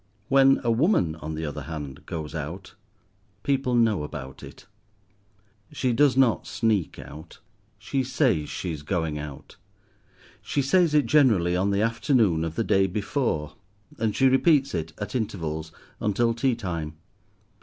When a woman, on the other hand, goes out, people know about it. She does not sneak out. She says she is going out. She says it, generally, on the afternoon of the day before; and she repeats it, at intervals, until tea time.